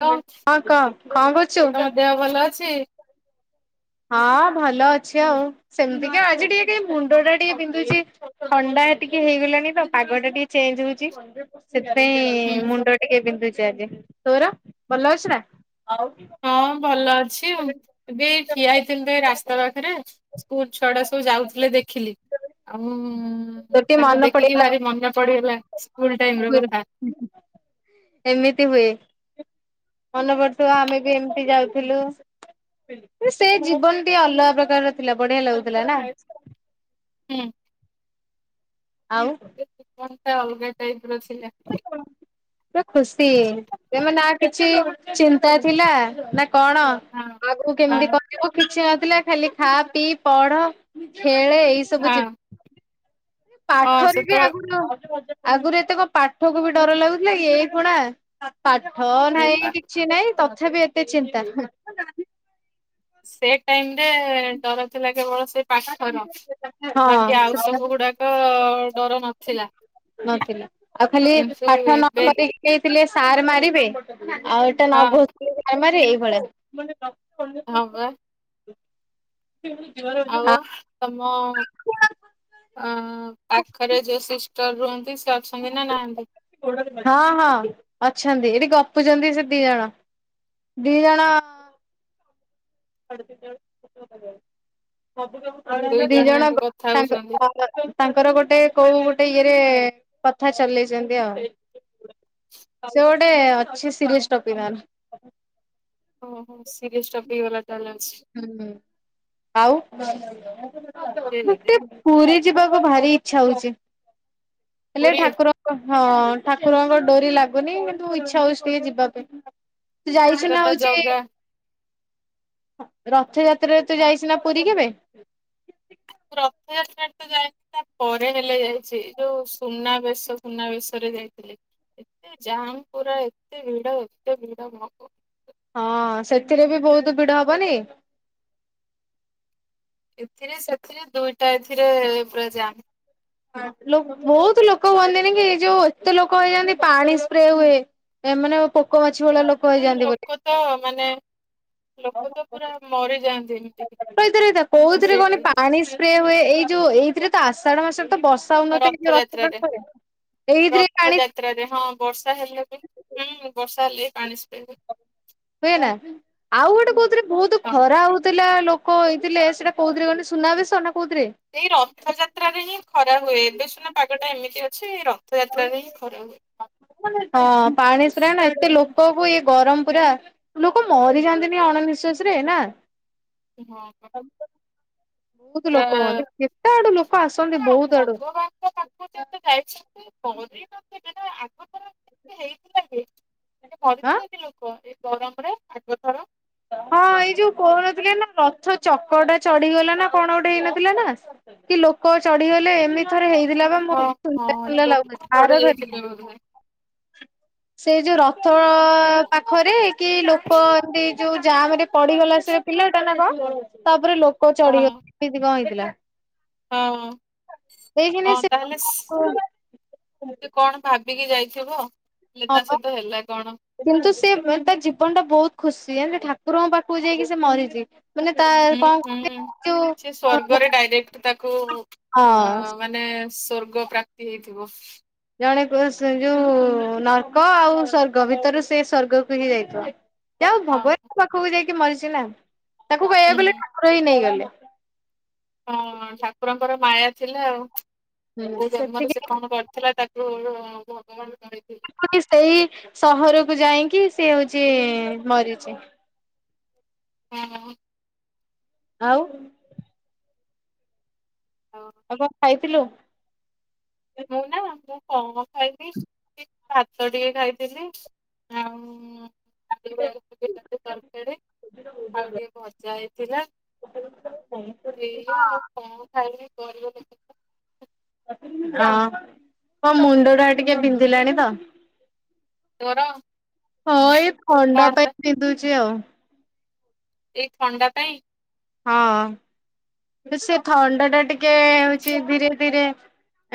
Hello ହଁ କହ କଣ କରୁଛୁ? ତମ ଦେହ ଭଲ ଅଛି। ହଁ ଭଲ ଅଛି ଆଉ ସେମିତିକା ଆଜି ଟିକେ ଟିକେ ମୁଣ୍ଡଟା ଟିକେ ବିନ୍ଧୁଛି। ଥଣ୍ଡା ଟିକେ ହେଇଗଲାଣିି ତ ପାଗଟା ଟିକେ ଚେଞ୍ଜ ହଉଛି। ସେଥିପାଇଁ ହୁଁ ମୁଣ୍ଡ ଟିକେ ବିନ୍ଧୁଛି ଆଜି ତୋର ଭଲ ଅଛି ନା? ହଁ ଭଲ ଅଛି ଆଉ ଏବେ ଠିଆ ହେଇଥିଲି ତ ଏଇ ରାସ୍ତା ପାଖରେ। ସ୍କୁଲ ଛୁଆ ଗୁଡା ସବୁ ଯାଉଥିଲେ ଦେଖିଲି ଆଉ ମୁଁ ତୋର ଟିକେ ତାଙ୍କୁ ମନେ ଦେଖିକି ପଡିଗଲା ଭାରି ମନେ ପଡିଗଲା ସ୍କୁଲ ଟାଇମର କଥା। ଏମିତି ହୁଏ ମନେ ପଡୁଥିବ ଆମେ ବି ଏମିତି ଯାଉଥିଲୁ। ସେ ଜୀବନ ଟିକେ ଅଲଗା ପ୍ରକାରର ଥିଲା ବଢିଆ ଲାଗୁଥିଲା ନା? ହୁଁ ଆଉ କଣଟା ଅଲଗା ଟାଇପର ଥିଲା? ତ ଖୁସି ତମେ ନା କିଛି ଚିନ୍ତା ଥିଲା ନା କଣ ହଁ। ଆଗକୁ ହଁ କେମିତି କଟିବ କିଛି ନଥିଲା ଖାଲି ଖା ପିଇ ପଢ ଖେଳେ ଏଇ ସବୁ ଜି ହଁ ହଁ ପାଠରେ ବି ସେତେବେଳେ ଆଗରୁ ଆଗରୁ ଏତେ ପାଠକୁ ବି ଡର ଲାଗୁଥିଲା ଏଇ ଖୁଣା ପାଠ ନାହିଁ କିଛି ନାହିଁ ତଥାପି ଏତେ ଚିନ୍ତା। ସେ ଟାଇମରେ ଡର ଥିଲା କେବଳ ସେ ପାଠର ବାକି ହଁ ଆଉ ସେଟା ସବୁ ଗୁଡା ତ ଡର ନଥିଲା। ନଥିଲା ଆଉ ଖାଲି କିନ୍ତୁ ପାଠ ଏବେ ନକରିକି ଯାଇଥିଲେ ସାର ମାରିବେ ଆଉ ନ ହଁ ଭୂତ୍ ଏଇଭଳିଆ ହଁ ପା। ହୁଁ। [inaudible] ଆଉ ତମ ଅ ହଁ ପାଖରେ ଯୋଉ ସିଷ୍ଟର ରୁହନ୍ତି ସେ ଅଛନ୍ତି ନା ନାହାନ୍ତି? ହଁ ହଁ ଅଛନ୍ତି ଏଠି ଗପୁଛନ୍ତି ସେ ଦି ଜଣ। ଦି ଜଣ ଦି ଜଣ ଦୁଇ ଜଣ ଯାକ ଗ କଥା ହଉଛନ୍ତି ସାଙ୍ଗରେ ହଁ। ତାଙ୍କର ଗୋଟେ କୋଉ ଗୋଟେ ଇଏରେ କଥା ଚଲେଇଛନ୍ତି ଆଉ ସେ ଗୋଟେ ଅଛି ସିରିଏସ ଟପିକାଲ। ଓହୋ ସିରିଏସ୍ ଟପିକବାଲା ଚାଲେଞ୍ଜ। ହୁଁ ହୁଁ ଆଉ ପୁରୀ ଯିବାକୁ ଭାରି ଇଚ୍ଛା ହଉଛି ହେଲେ ପୁରୀ ଠାକୁର ହଁ ଠାକୁରଙ୍କ ଡୋରି ଲାଗୁନି କିନ୍ତୁ ଇଚ୍ଛା ହଉଛି ଟିକେ ଯିବା ପାଇଁ। ତୁ ଯାଇଛୁ ସେଟା ନା ତ ହଉଛି ଜଗା ରଥଯାତ୍ରାରେ ତୁ ଯାଇଚୁ ନା ପୁରୀ କେବେ? ରଥଯାତ୍ରା ତ ଯାଇନି ତା ପରେ ହେଲେ ଯାଇଛି ଯୋଉ ସୁନା ବେଶ ସୁନାବେେଶରେ ଯାଇଥିଲି ଏତେ ଜାମ ପୁରା ଏତେ ଭିଡ ଏତେ ଭିଡ ଭଗ ହଁ ସେଥିରେ ବି ବହୁତ ଭିଡ ହବନି। ଏଥିରେ ସେଥିରେ ଦୁଇଟା ଏଥିରେ ପୁରା ଯାମ ବହୁତ ଲୋକ ହୁଅନ୍ତିନି କି ଏଇ ଯୋଉ ଏତେ ଲୋକ ହେଇଯାନ୍ତି ପାଣି ସ୍ପ୍ରେ ହୁଏ। ଏମାନେ ପୋକ ମାଛି ଭଳିଆ ଲୋ ଲୋକ ତ ମାନେ ଲୋକ ତ ପୁରା ମରିଯାଆନ୍ତି ଏମିତି ରହିଥା ରହିଥା କୋଉଥିରେ କହନି ସେଇଠି ପାଣି ସ୍ପ୍ରେ ହୁଏ ଏଇ ଯୋଉ ଏଇଥିରେ ତ ଆଷଢ ମାସରେ ତ ବର୍ ସା ହୋଉ ନଥାଏ କି ରଥ ରଥଯାତ୍ରାରେ। ପାଖେରେ ଏଇଥିରେ ପାଣି ତ୍ରାରେ ହଁ। ବର୍ଷା ହେଲେ ବି ହୁଁ ହୁଁ ବର୍ଷା ହେଲେ ବି ପାଣି ସ୍ପ୍ରେ ହୁଏ। ହୁଏ ନା ଆଉ ଗୋଟେ କୋଉଥିରେ ବହୁତୁ ହଁ ଖରା ହଉଥିଲା ଲୋକ୍ କ ହେଇ ଥିଲେ ସେଇଟା କୋଉଥିରେ କେହିଲ ସୁନା ବେଶ ନା କୋଉଥିରେ? ଏଇ ରଥଯାତ୍ରାରେ ହିଁ ଖରା ହୁଏ ଏବେ ସୁନା ପାଗଟା ଏମିତି ଅଛି ର ତ ଯାତ୍ରା ରେ ହିଁ ଖରା ହୁଏ। ହଁ ପାଣି ସ୍ପ୍ରେ ନା ଏତେ ଲୋକକୁ ଇଏ ଗରମ ପୁରା ଲୋକ ମରି ଯାଆନ୍ତିନି ଅଣ ନିିଶ୍ଵାସ ରେ ନା। ହଁ। ବହୁତ ଲୋକ ହୁଅନ୍ତି କେତେ ଆଡୁ ଲୋକ ଆସନ୍ତି ବହୁତ ଆଡୁ। ଯେତ ଯାଇଛନ୍ତି କରିନ ନା ଆଗ ତର କେ ହେଇଥିଲା କି ଏ ଆଁ ମରିଥିଲେ କି ଲୋକ ଏ ଗରମରେ ଆଗ ଥର। ହଁ ଏଇ ଯୋଉ କହୁନଥିଲେ ନା ରଥ ଚକ ଟା ଚଢିଗଲା ନା କଣ ଗୋଟେ ହେଇନଥିଲା ନା। କି ଲୋକ ଚଢିଗଲେ ଏମିତି ଥରେ ହେଇ ଥିଲାପା ମୁଁ ହଁ ଶୁଣିଲା ହଁ ଶୁଣିଲା ଲୋକ ଲାଗୁଚି ଚଢି ଆର ଯାଇଥିଲେ ଥରିକା। ବୋଧେ। ସେ ଯୋଉ ରଥ ପାଖରେ କି ଲୋକ ଏମ୍ତି ଯୋଉ ଜାମ ରେ ପଡିଗଲା ସେ ପିଲାଟା ନା କଅଁ ତାଉପରେ ଲୋକ ଚଢିଗ ହଁ ଏନ୍ତି କଅଁ ହେଇଥିଲା। ହଁ ହଁ ଦେଇକିନି ସେ ତାହଲେ ହଁ ସେ କଣ ବା ବିକି ଯାଇଥିବ ହେଲେ ତା ପା ସହିତ ହେଲା କଣ। କିନ୍ତୁ ସେ ତା ଜୀବନ ଟା ବହୁତ ଖୁସି ହେଲେ ସେ ଠାକୁରଙ୍କ ପାଖକୁ ଯାଇକି ସେ ମରିଚି। ଉଁ ହୁଁ ସିଏ ସ୍ଵର୍ଗରେ ଡାଇରେକ୍ଟ ତାକୁ ଅ ହଁ। ମାନ୍ ମାନେ ସ୍ଵର୍ଗ ପ୍ରାପ୍ତି ହେଇଥିବ। ଜଣେ କ [unintelligible] ଯୋଉ ନର୍କ ଆଉ ସର୍ଗ ଭିତରେ ସେ ସ୍ଵର୍ଗକୁ ହିଁ ଯାଇଥିବ। ଯାହା ହୋଉ ଅ ଭଗବାନ ପାଖକୁ ଯାଇକି ମରିଚି ନା ତାକୁ [unintelligible] ହୁଁ। କୁର ହିଁ ନେଇ ଗଲେ। ହଁ ଠାକୁରଙ୍କର ମାୟା ଥିଲା ଆଉ କୋଉ ହୁଁ ଜନ୍ମରେ ସେତିକି ସେ କଣ କରି ଥିଲା ତାକୁ ଭଗବାନ [unintelligible] ହଁ କି ସେଇ ସହରକୁ ଯାଇଁକି ସେ ହଉଚି ମରିଚି। ହଁ ବହୁତ୍ ଆଉ ହଁ। ଆଉ କଣ ଖାଇଥିଲୁ? ମୁଁ ନା ମୁଁ କଣ ଖାଇବି ଭାତ ଟିକେ ଖାଇଥିଲି ଆଉ [unintelligible] ଆଉ ଟିକେ ଭଜା ହେଇଥିଲା। ଏଇଆ ଆଉ କଣ ଖାଇବି [unintelligible] ହଁ ମୋ ମୁଣ୍ଡ ଟା ଟିକେ ପିନ୍ଧିଲାଣି ତ ତୋର ହଁ ଏଇ ଥଣ୍ଡା କଣ ପାଇଁ ବିନ୍ଧୁଛି ଆଉ। ଏଇ ଥଣ୍ଡା ପାଇଁ ହଁ ସେ ଥଣ୍ଡା ଟା ଟିକେ ହଉଚି ଧୀରେ ଧୀରେ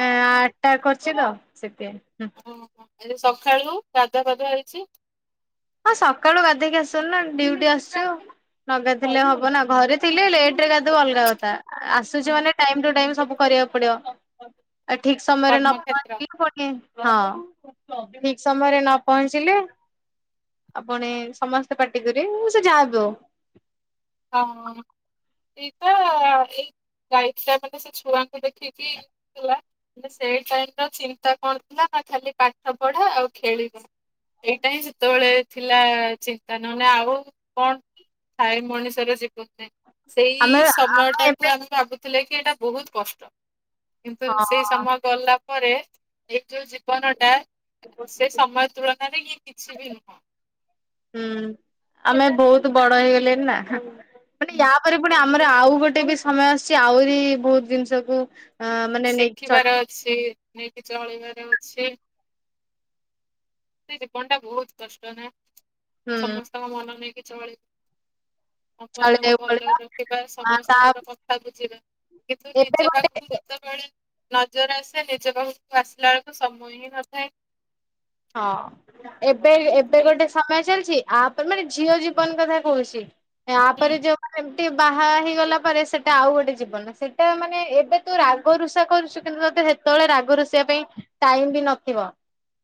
ଏଁ ଆଟକ କରିଛି ତ ସେଥିପାଇଁ ଓହୋ ଏବେ ସଖାଳୁ ଗାଧୁଆ ପାଧୁଆ ହେଇଛି ହଁ ସକାଳୁ ଗାଧେଇକି ଆସିଚୁନୁ ନା ଡ଼ିଉଟି ଆସିଚୁ। ନ ଗାଧେଇଲେ ହବନା ଘରେ ଥିଲେ ଲେଟରେ ଗାଧେଇବୁ ଅଲଗା କଥା ଆସ୍‌ ହୁଁ, ସିଚୁ ମାନେ ଟାଇମ ଟୁ ଟାଇମ ସବୁ କରିବାକୁ ପଡିବ ଆ ଠିକ୍ ସମୟରେ ନ [unintelligible] ହଁ କର୍ମକ୍ଷେତ୍ର ଠିକ୍ ସମୟରେ ନ ପହଞ୍ଚିଲେ ଆପଣେ ସମସ୍ତେ ପାଟି କରିବେ ସେ ଯାହାବି ହଉ। ହଁ ଏଇଟା ଏଇ ଗାଈଟା ମାନେ ସେ ଛୁଆଙ୍କୁ ଦେଖିକି ଛୁଆ ସେଇ ଟାଇମ ର ଚିନ୍ତା କଣ ଥିଲା ନା ଖାଲି ପାଠ ପଢା ଆଉ ଖେଳିବା। ଏଇଟା ହିଁ ସେତେବେଳେ ଥିଲା ଚିନ୍ତା ନହନେ ଆଉ କଣ ଥାଏ ମଣିଷ ଜୀବନ ନା ସେଇ ଆମେ ସମୟ ଟାକୁ ଏବେ ଆମେ ଭାବୁଥିଲେ କି ଏଇଟା ବହୁତ କଷ୍ଟ। କିନ୍ତୁ ହଁ ସେଇ ସମୟ ଗଲା ପରେ ଏଇ ଯୋଉ ଜୀବନ ଟା ସେ ସମୟ ତୁଳନାରେ ଇଏ କିଛି ବି ନୁହଁ। ହୁଁ ଆମେ ବହୁତ ବଡ ହେଇଗଲେଣି ନା ମାନେ ୟାପରେ ପୁଣି ଆ ଆମର ଆଉ ଗୋଟେ ବି ସମୟ ଆସିଛି ଆହୁରି ବହୁତ ଜିନିଷକୁ ଅ ମାନେ ନେଇକି ଚଳ ଶିଖିବାର ଅଛି ନେଇକି ଚଳିବାର ଅଛି। ସେ ଜୀବନ ଟା ବହୁତ କଷ୍ଟ ନା ହୁଁ ସମସ୍ତଙ୍କ ମନ ନେଇକି ଚଳି ସମସ୍ତଙ୍କୁ ଚଳେଇବାକୁ ଭଲରେ ପଡିବ। ରଖିବା ଆ ତା ସମସ୍ତଙ୍କର କଥା ବୁଝିବା। କିନ୍ତୁ ଏବେ ନିଜ ପାଖକୁ ଗୋଟେ ଯଦି ଯେତେବେଳେ ନଜର ଆସେ ନିଜ ପାଖକୁ ଆସିଲା ବେଳକୁ ସମୟ ହିଁ ନଥାଏ। ହଁ ଏବେ ଏବେ କି ଗୋଟେ ସମୟ ଚାଲିଛି। ଆପରେ ମାନେ ଝିଅ ଜୀବନ କଥା କହୁଛି ତାପରେ ଯୋଉ ଏମତି ବାହା ହେଇଗଲା ପରେ ସେଟା ଆଉ ଗୋଟେ ଜୀବନ ସେଟା ମାନେ ଏବେ ତୁ ରା ରାଗ ରୁଷା କରୁଛୁ କିନ୍ତୁ ତୋତେ ସେତେବେଳେ ରାଗ ରୋଷିବା ପାଇଁ ଟାଇମ ବି ନଥିବ।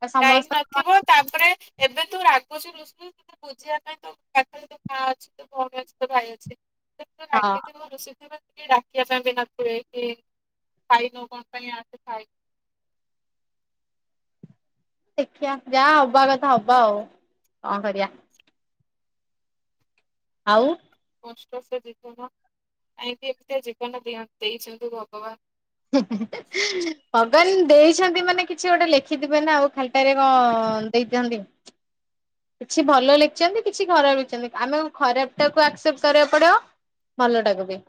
ଆଉ ଟାଇମ ସମସ୍ତଙ୍କ ନଥିବ ମନ ତାପରେ ଏବେ ତୁ ରାଗୁଛୁ ଋଷୁ ବୁଝିବା ପାଇଁ ତୁ ପାଖରେ ତୁ ମା ଅଛି ତୁ ଭଉଣୀ ଅଛୁ ତୁ ଭାଇ ଅଛି। [unintelligible] ହଁ ରାଗିକି ମୁଁ ରୁଷି ସେତେବେଳେ କିଏ ଡାକିବା ପାଇଁ ବି ନଥିବେ କି ଖାଇନୁ କଣ ପାଇଁ ଆସ ଖାଇ ଦେଖିବା ଯାହା ହବା କଥା ହବା ଆଉ କଣ କରିବା। ଆଉ କଷ୍ଟ ସେ ଜୀବନ କାହିଁକି ଏମିତି ଜୀବନ [unintelligible] ଦେଇଛନ୍ତି ଭଗବାନ। ହୁଁ ହୁଁ ହୁଁ। ଭଗବାନ ଦେଇଛନ୍ତି ମାନେ କିଛି ଗୋଟେ ଲେଖିଥିବେ ନା ଆଉ ଖାଲଟାରେ କଣ ଦେଇଛନ୍ତି। କିଛି ଭଲ ଲେଖିଛନ୍ତି କିଛି ଖରାପ ଲେଖିଛନ୍ତି ଆମେ ଖରାପ ଟାକୁ ଆକ୍ସେପ୍ଟ କରିବାକୁ ପଡିବ। ଭଲଟାକୁ ବି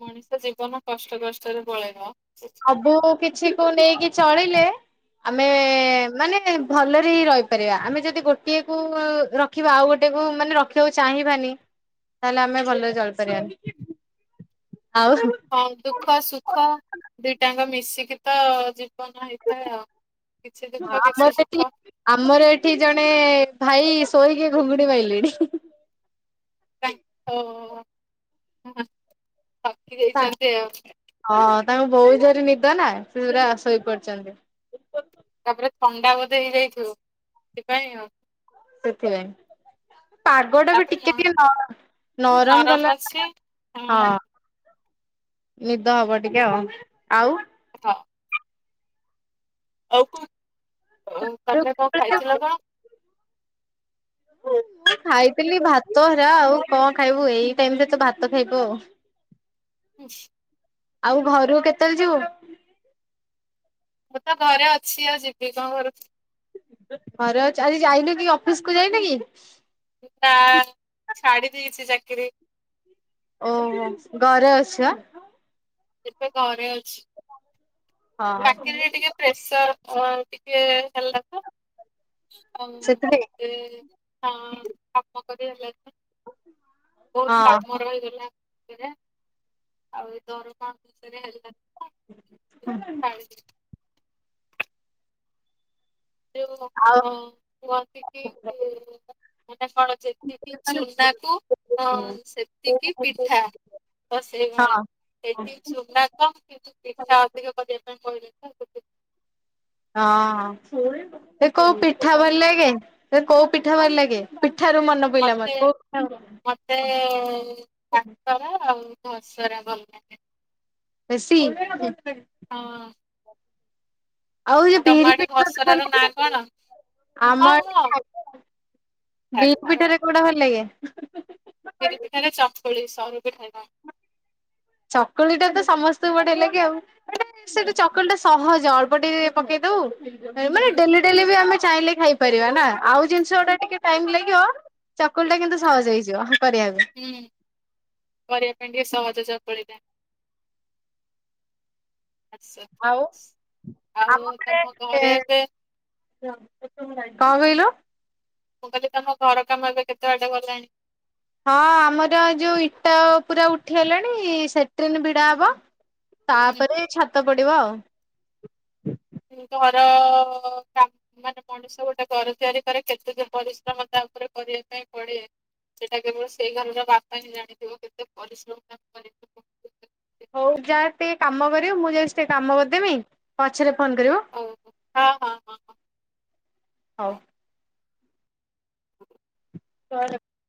ମଣିଷ ଜୀବନ କଷ୍ଟ କଷ୍ଟରେ ପଳେଇବ। ସବୁ କିଛି କୁ ନେଇକି ଚଳିଲେ ଆମେ ମାନେ ଭଲରେ ହିଁ ରହିପାରିବା ଆମେ ଯଦି ଗୋଟିଏ କୁ ର କିବା ଆଉ ଗୋଟେ କୁ ମାନେ ରଖିବାକୁ ଚାହିଁବାନି ତାହେଲେ ଆମେ ଭଲରେ ଚଳି ପାରିବାନି। ଆଉ ହଁ ଦୁଃଖ ସୁଖ ଦିଟାଙ୍କ ମିଶିକି ତ ଜି ଜୀବନ ହେଇଥାଏ ଆଉ କିଛି ଦୁଖ ଆମର କିଛି ଏଠି ସୁଖ ଆମର ଏଠି ଜଣେ ଭାଇ ଶୋଇକି ଘୁଙ୍ଗୁଡି ମାଇଲେଣି ହିଁ। ତାଙ୍କେ ହଁ ଥକି ଯାଇଛନ୍ତି ଆଉ। ହଁ ତାଙ୍କୁ ବୋହୁତ୍ ଜରେ ନିଦ ନା ସେ ପୁରା ଶୋଇ ପଡିଛନ୍ତି। ତାପରେ ଥଣ୍ଡା ବୋଧେ ହେଇଯାଇଥିବ ସେଥିପାଇଁ ଆଉ। ସେଥିପାଇଁ ପାଗ ଟା ବି ତାପରେ ମ ଟିକେ ଟିକେନ ନରମ କଲା ହଁ ନିଦ ହବ ଟିକେ ଆଉ ଆଉ କୁହ ଆଉ କଣ ଅ ତମେ କଣ ଖାଇଥିଲ କଣ? ମୁଁ ଖାଇଥିଲି ଭାତ ହେରା ଆଉ କଣ ଖାଇବୁ ଏଇ ଟାଇମରେ ତ ଭାତ ଖାଇବୁ ଆଉ। ହୁଁ। ଆଉ ଘରୁ କେତେଳେ ଯିବୁ? ମୁଁ ତ ଘରେ ଅଛି ଆଉ ଯିବି କଁ ଘରୁ ଘରେ ଅଛ ଆଜି ଯାଇନୁ କି ଅଫିସକୁ ଯାଇନୁ କି। ନା ଛାଡି ଦେଇଛି ଚାକିରି। ଓହୋ ଗରେ ଅଛୁ ଆଁ। ଏବେ ଘରେ ଅଛି। ହଁ ଚାକିରିରେ ଟିକେ ପ୍ରେସର ଆଉ ଟିକେ ହେଲା ତ ଆଉ ସେଥିପାଇଁ ଏତେ ହଁ କାମ କରି ହେଲାନି। ବୋହୁତ ହଁ କାମ ରହିଗଲା ଇଏରେ ଆଉ ଏ ଦରମା ଠିକସେରେ ହେଲାନି। [inaudible] ପାୟେଲ ଦିଦି ଯୋଉ ଆଉ ହଁ [unintelligible] ଅନ୍ତି କି ଏ ମାନେ କଣ ଯେତିକି ଚୁନାକୁ ଅଁ ଉଁ ସେତିକି ପିଠା। ମୋର ହଁ ସେଇଭଳିଆ। ହଁ ଏଇଠି ଚୁନା କମ୍ କିନ୍ତୁ ପିଠା ଅଧିକ କରିବା ପାଇଁ କହିଲେ ନା ସେଥି ହଁ ତେ କୋଉ ପିଠା ଭଲ ହଁ ଲାଗେ? ସେ କୋଉ ପିଠା ଭଲ ଲାଗେ ପିଠାରୁ ମନ ମତେ ମ ତେ କାକରା ଆଉ ମସରା ଭଲ ଲାଗେ। ଖୁସି ହଁ। ଆଉ ଯୋଉ ତମ ବିରି ଆଡେ ପିଠା [inaudible] ଘସରା ଭଲ୍ ର ନାଁ ଲାଗେନା କଣ? କି ହଁ ଆମର୍ [inaudible] ହଁ ବିରି କାକରା। ପିଠାରେ କୋଉଟା ଭଲ ଲାଗେ? ବିରି ପିଠାରେ ଚକୁଳି ସରୁ ପିଠାଟା। ଚକୁଳିଟା ତ ସମସ୍ତୁଙ୍କୁ ବଢିଆ ଲାଗେ ଆଉ। [inaudible] ସେଟା ଚକୁଳିଟା ସହଜ ଅଳ୍ପ ଟିକେ ପକେଇ ଦବୁ ମାନେ ଡେଲି ଡେଲି ବି ଆମେ ଚାହିଁଲେ ଖାଇପାରିବା ନା ଆଉ ଜିନଷଗୁଡା ଟିକେ ଟାଇମ୍ ଲାଗିବ। ଚକୁଳିଟା କିନ୍ତୁ ସହଜ ହେଇଯିବ କରିବାକୁ। ହୁଁ କରିବା ପାଇଁ ଟିକେ ସହଜ ଚକୁଳିଟା। ଆଚ୍ସା ଠିକ୍ ଆଉ ଅସି ଆଉ ତମ ଘରେ ଏବେ [inaudible] କଁ କହିଲୁ? ମୁଁ କହିଲି ତମ ଘର କାମ ଏବେ କେତେ ବାଟ ଗଲାଣି? ହଁ ଆମର ଯୋଉ ଇଟା ପୁରା ଉଠିଗଲାଣି ସେଟ୍ରିନି ଭିଡା ହବ। ହୁଁ ତାପେରେ ଛାତ ପଡିବ ଆଉ। ଏଇ ଘର କା ମାନେ ମଣିଷ ଗୋଟେ ଘର ତିଆରି କରେ କେତେ ଯେ ପରିଶ୍ରମ ତା ଉପରେ କରିବା ପାଇଁ ପଡେ ସେଇଟା କେବଳ ସେଇ ଘରର ବାପା ହିଁ ଜାଣିଥିବ କେତେ ପରିଶ୍ର ଆ ହଉ ଯା ଟିକେ କାମ କରିବୁ ମୁଁ ଯାଉଛି ଟିକେ କାମ କରିଦେମି। ପଛେରେ ଫୋନ୍ କରିବୁ ହଉ ହଁ ହଁ ହଁ ହଁ ହଉ। ହଉ। [inaudible]